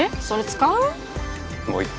それ使う？